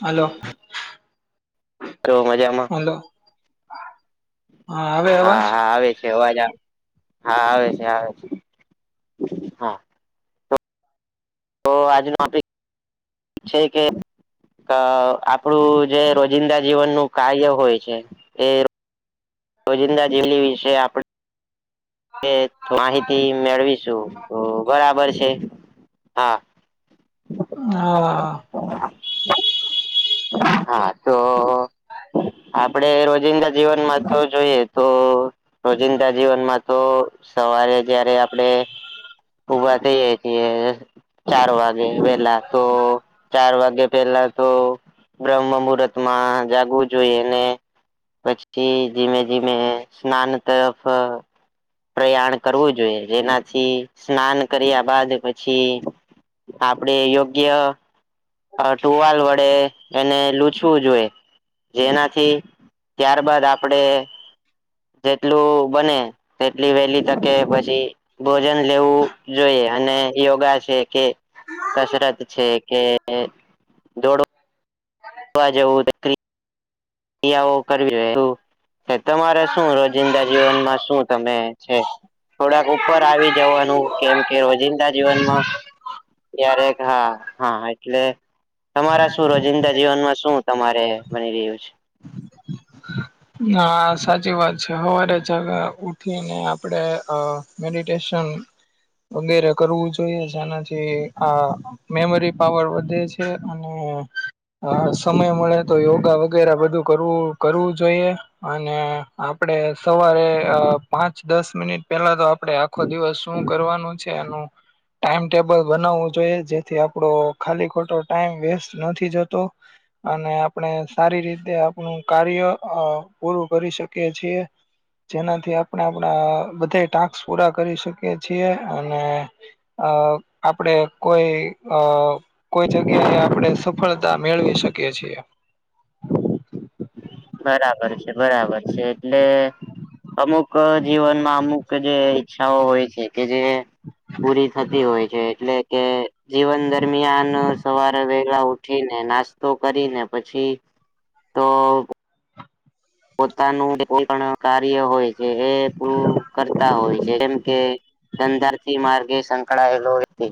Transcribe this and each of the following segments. હાલો. તો મજામાં. હાલો. હા હા આવે છે અવાજ આવે હા આવે છે આવે છે. હા તો આજનો ઓફીસ છે કે આપણું જે રોજિંદા જીવન નું કાર્ય હોય છે એ રોજિંદા જેલી વિશે આપણે કે માહિતી મેળવીશું તો બરાબર છે, હા. [inaudible] હા. હા તો આપડે રોજિંદા જીવનમાં થવું જોઈએ તો રોજિંદા જીવનમાં તો સવારે જયારે આપડે ઉભા થઇ જાય છી ચાર વાર પેલા તો ચાર વાગે પેલા તો બ્રહ્મ મુહૂર્ત માં જાગવું જોઈએ ને પછી ધીમે ધીમે સ્નાન તરફ પ્રયાણ કરવું જોઈએ જેનાથી સ્નાન કર્યા બાદ પછી આપડે યોગ્ય અ ટુવાલ વડે એને લૂચવું જોઈએ જેનાથી ત્યાર બાદ આપડે જેટલું બને તેટલી વેલી તકે પછી ભોજન લેવું જોઈએ અને યોગા છે કે કસરત છે કે દોડો વા જવું દરી આવું કરવી તમારે શું રોજિંદા જીવનમાં શું તમે છે થોડાક ઉપર આવી જવાનું કેમ કે રોજિંદા જીવનમાં ક્યારેક હા હા એટલે તમારા શું રોજિંદા જીવનમાં શું તમારે બની રહ્યું છે અ સાચી વાત છે હવારે જગા ઉઠીને આપડે અ મેડિટેશન વગેરે કરવું જોઈએ છે આનાથી આ મેમરી પાવર વધે છે અને હા સમય મળે તો યોગા વગેરે બધું કરવું કરવું જોઈએ. અને આપડે સવારે પાંચ દસ મિનિટ પેલા તો આપડે આ ખો દિવસ શું કરવાનું છે એનું ટાઈમ ટેબલ બનાવવું જોઈએ જેથી આપડો ખાલી ખોટો ટાઈમ વેસ્ટ નથી જતો. અને આપણે સારી રીતે આપણું કાર્ય અ પૂરું કરી શકીએ છીએ જેનાથી આપણે આપણા બધા ટાસ્ક પૂરા કરી શકીએ છીએ અને અ આપડે કોઈ અ કોઈ જગ્યાએ આપડે સફળતા મેળવી શકીએ છીએ. બરાબર છે બરાબર છે એટલે અમુક જીવનમાં અમુક જે ઈચ્છાઓ હોય છે. કે જે પૂરી થતી હોય છે એટલે કે જીવન દરમિયાન સવારે વહેલા ઉ ઠીને નાસ્તો કરીને પછી તો પોતાનું જે કોઈ પણ કાર્ય હોય છે એ પૂરું કરતા હોય છે જેમ કે ધંધા થી માર્ગે સંકળાયેલો વ્યક્તિ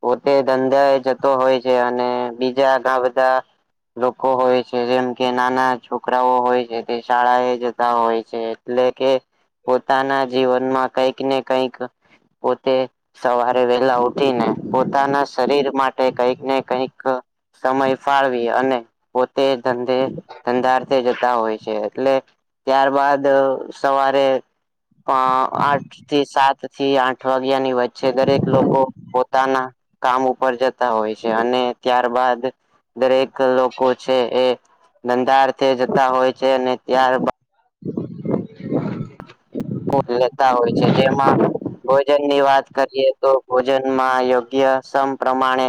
પોતે ધંધા એ જતો હોય છે અને બીજા ઘાબધા લોકો હોય છે જેમ કે નાના છોકરાઓ હોય છે તે શાળા એ જતા હોય છે એટલે કે પોતાના જીવનમાં કઈક ને કઈક પોતે સવારે વેલા ઉ ઠીને પોતાના શરીર માટે કઈક ને કઈક સમય ફાળવી અને પોતે ધંધે ધંધારથે જતા હોય છે એટલે ત્યારબાદ સવારે આઠ થી સાત થી આઠ વાગ્યાની વચ્ચે દરેક લોકો પોતાના કામ ઉપર જતા હોય છે અને ત્યારબાદ દરેક લોકો છે એ ધંધારથે જતા હોય છે અને ત્યારબા [inaudible] લેતા હોય છે જેમાં ભોજન ની વાત કરીએ તો ભોજનમાં યોગ્ય સમ પ્રમાણે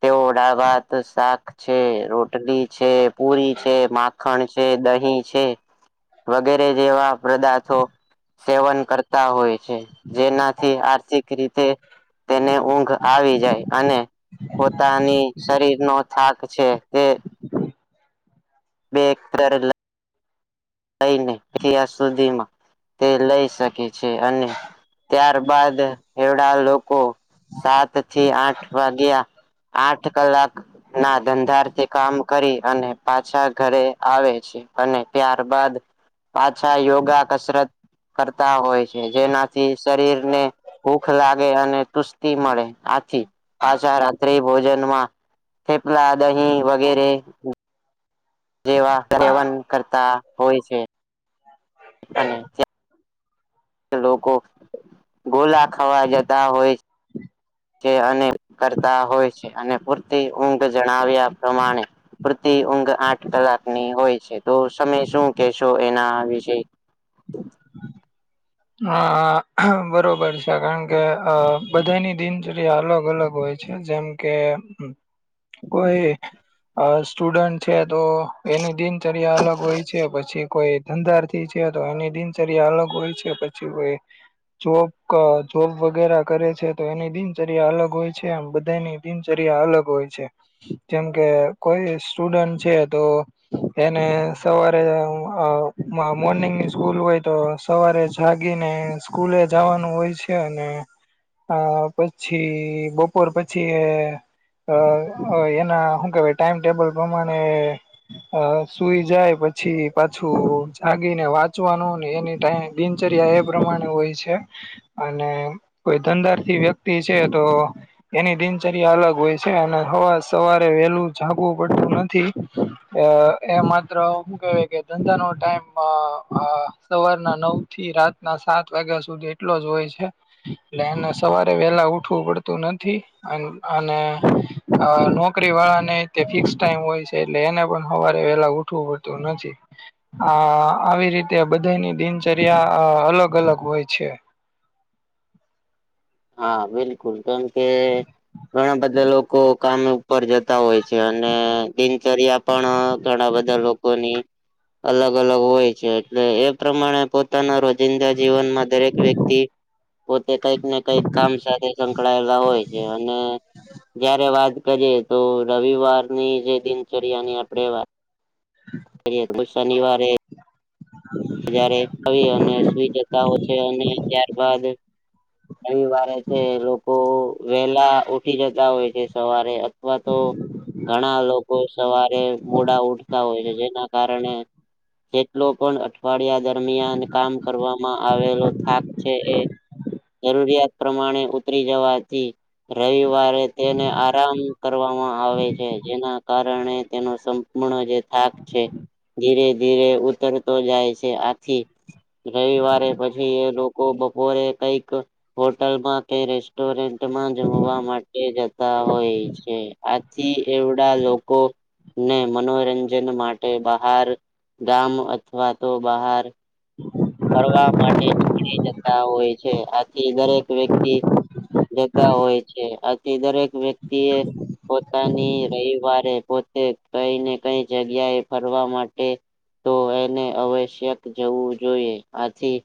તેઓ દાળભાત શાક છે રોટલી છે, પુરી છે, માખણ છે, દહીં છે. વગેરે જેવા પદાર્થો સેવન કરતા હોય છે, જેનાથી આર્થિક રીતે તેને ઊઘ આવી જાય અને પોતાની શરીરનો થાક છે. તે બે [unintelligible] લઈને તયા સુધીમાં તે લઈ શકે છે, અને ત્યારબાદ એડા લોકો સાત થી આઠ વાગ્યા આઠ કલાકના ધંધારથી કામ કરી અને પાછા ઘરે આવે છે, અને ત્યારબાદ પાછા યોગા કસરત કરતા હોય છે, જેનાથી શરીર ને ભૂખ લાગે અને તુસ્તી મળે આથી પાછા રાત્રિ ભોજનમાં થેપલા, દહીં વગેરે જેવા સેવન કરતા હોય છે. અને તયા લોકો ગોલા ખાવા જતા હોય છે, ને કરતા હોય છે, અને પૂરતી ઊંઘ જણાવ્યા પ્રમાણે પ્રતિ ઊંઘ આઠ કલાકની હોય છે, તો સમય શું કેશો એના વિશે હા બરોબર છે, કારણ કે અ બધાની દિનચર્યા અલગ અલગ હોય છે, જેમ કે કોઈ અ સ્ટુડન છે, તો એની દિનચર્યા અલગ હોય છે, પછી કોઈ ધંધારથી છે, તો એની દિનચર્યા અલગ હોય છે, પછી કોઈ જોક જોબ વગેરે કરે છે, તો એની દિનચર્યા અલગ હોય છે, એમ બધાની દિનચર્યા અલગ હોય છે, જેમકે કોઈ સ્ટુડન્ટ છે, તો એને સવારે અ મોર્નિંગની સ્કૂલ હોય તો સવારે જ જાગીને સ્કૂલે જાવાનું હોય છે, અને અ પછી બપોર પછી અ એના હુ કેવાય ટાઈમટેબલ પ્રમાણે અ સુઈ જાય પછી પાછું જાગીને વાંચવાનું ને એની ટાઈ દિનચર્યા એ પ્રમાણે હોય છે. અને કોઈ ધંધારથી વ્યક્તિ છે, તો એની દિનચર્યા અલગ હોય છે, અને હવા સવારે વહેલું જાગવું પડતું નથી. અ એ માત્ર હુ કેવાય કે ધંધાનો ટાઈમ અ સવારના નવ થી રાતના સાત વાગ્યા સુધી એટલો જ હોય છે. ને એન સવારે વેલા ઉઠવું પડતું નથી અન અને અ નોકરી વાળાને તે ફિક્સ ટાઈમ હોય છે. એટલે એને પણ હવારે વેલા ઉઠવું પડતું નથી આ આવી રીતે બધાની દિન ચર્યા અ અલગ અલગ હોય છે. હા બિલકુલ કારણ કે ઘણા બધા લોકો કામે ઉપર જતા હોય છે, અને દિનચર્યા પણ ધણા બધા લોકોની અલગ અલગ હોય છે, એટલે એ પ્રમાણે પોતાના રો જિંદા જીવનમાં દરેક વ્યક્તિ પોતે કઈક ને કઈક કામ સાથે સંકળાયેલા હોય છે, અને જયારે વાત કરીએ તો રવિવારની જે દિનચર્યા ની આપડે વા કરીયે શનિવારે [inaudible] આવી અને સુઈ જતા હો છે અને ત્યારબાદ, રવિવારે છે લોકો વહેલા ઉઠી જતા હોય છે સવારે. અથવા તો ઘણા લોકો સવારે મોડા ઉઠતા હોય છે જેના કારણે. જેટલો પણ અઠવાડિયા દરમિયાન કામ કરવામાં આવેલો થાક છે એ. હ. જરૂરિયાત પ્રમાણે ઉતરી જવાથી. રવિવારે તેને આરામ કરવામાં આવે છે જેના કાર ણે તે સંપૂર્ણ જે થાક છે ધીરે ધીરે ઉતર જાય છે આથી રવિવારે પછી એ લોકો બપોરે કઈક. હોટલમાં કે રેસ્ટોરન્ટમાં જમવા માટે જતા હોય છે. આથી એવડા લોકો. ને મનોરંજન માટે બહાર ગામ અથવા તો બહાર. ફરવા માટે નીકળી જતા હોય છે આથી દરેક વ્યક્તિ. જતા હોય છે આથી દરેક. વ્યક્તિ એ પોતાની રવિવારે પોતે, કઈ ને કઈ જગ્યા એ ફરવા માટે. તો એને આવશ્યક જવું જોઈએ આથી.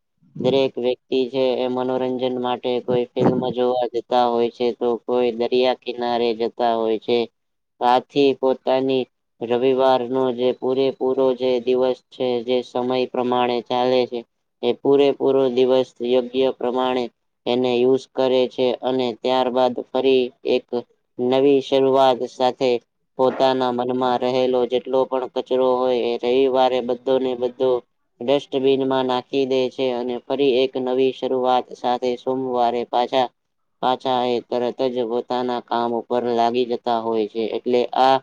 દરેક વ્યક્તિ છે એ મનોરંજન માટે કોઈ ફિલ્મ જોવા જતા હોય છે તો. તો એ દરિયા કિનારે જતા હોય છે આથી પોતાની, રવિવારનો જે પૂરેપૂરો જે દિવસ છે જે સમય પ્રમાણે ચાલે છે. એ પૂરેપૂરો દિવસ યોગ્ય પ્રમાણે એને યુઝ કરે છે અને, ત્યાર બાદ ફરી એક નવી શરૂઆત સાથે, પોતાના મનમાં રહેલો જેટલો પણ કચરો હોય એ રવિવારે બ ધોને બધો, ડસ્ટબીનમાં નાખ ખીદે છે અને ફરી એક નવી શરૂઆત સાથે સોમવારે પાછા, પાછા એ તરત જ પોતાના કામ ઉપર લાગી જતા હોય છે એટલે આ,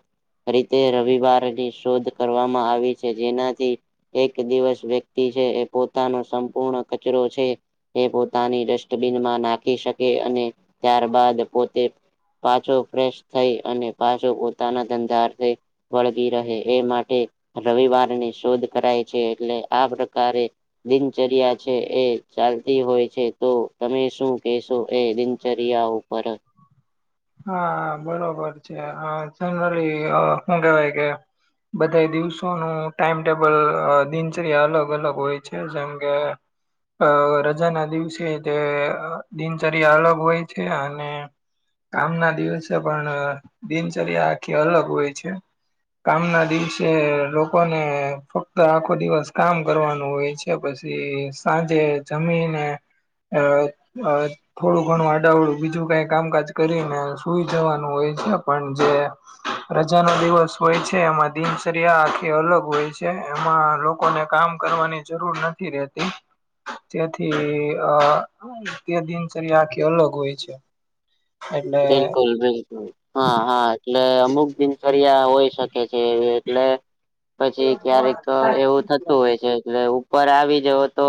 રીતે રવિવારની શોધ કરવામાં આવી છે જેનાથી, એક દિવસ વ્યક્તિ છે એ પોતાનો સંપૂર્ણ કચરો છે. તે પોતાની ડસ્ટબીનમાં નાખી શકે અને ત્યારબાદ પોતે. પાછો ફ્રેશ થઈ અને પાછો પોતાના ધંધા થઈ. વળગી રહે એ માટે રવિવારની શોધ કરાય છે એટલે આ પ્રકારે. દિનચર્યા છે એ ચાલતી હોય છે તો તમે શું કેશો એ દિન ચરયા ઉપર, હા બરોબર છે હ જનરલી અ હું કેવાય કે, બધા દિવસોનું ટાઈમટેબલ દિનચર્યા અલગ અલગ હોય છે જેમ કે, અ રજા ના દિવસે તે દિનચર્યા અલગ હોય છે અને, કામ ના દિવસે પણ દિનચર્યા આખી અલગ હોય છે. કામ ના દિવસે લોકોને ફક્ત આખો દિવસ કામ કરવાનું હોય છે. કે પછી સાંજે જમીને, અ અ, થોડું ઘણું અડાઅવડું બીજું કઈ કામકાજ કરીને સુઈ જવાનું હોય છે પણ જે, રજા નો દિવસ હોય છે એમાં દિનચર્યા આખી અલગ હોય છે એમાં લો લોકોને કામ કરવાની જરૂર નથી રહતી જેથી અ, તે દિનચર્યા આખી અલગ હોય છે. એટલે બિલકુલ બિલકુલ, હા હા એટલે અમુક દિનચર્યા હોઈ શકે છે એટલે, પછી ક્યારેક એવું થતું હોય છે એટલે ઉપર આવી જવો તો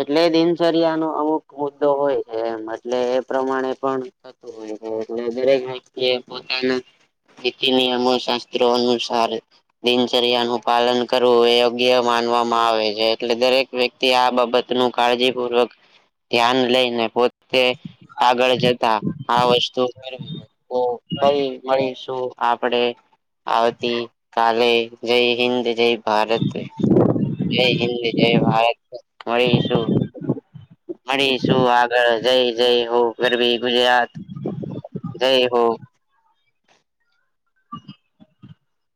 એટલે દિનચર્યા નો અમુક મુદ્દો હોય છે એમ એટલે એ પ્રમાણે પણ થતું હોય ગય એટલે દરેક વ્યક્તિ એ પોતાના નીતિ નિયમો શાસ્ત્રો અનુસાર દિનચર્યા નું પાલન કરવું એ યોગ્ય માનવામાં આવે છે એટલે દરેક વ્યક્તિ આ બાબત નું કાળજીપૂર્વક ધ્યાન લઈને પોતે આગળ જતા આ વસ્ત કરવી છે તો ફરી મળીશું આપડે આવતી કા કાલે જય હિન્દ જય જય ભારત દેશ. જય હિન્દ જય ભારત મળીશું. મળીશું આગળ જય જય હો ગરવી ગુજરાત. જય હો. [inaudible]